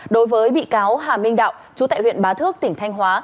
đối với bị cáo hà minh đạo chú tại huyện bá thước tỉnh thanh hóa